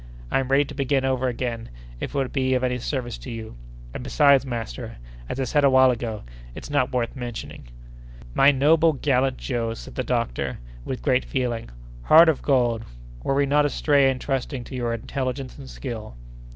I'm ready to begin over again, if it would be of any service to you. And besides, master, as I said a while ago, it's not worth mentioning." "My noble, gallant Joe!" said the doctor, with great feeling. "Heart of gold! we were not astray in trusting to your intelligence and skill."